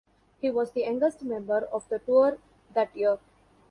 He was the youngest member of the tour that year.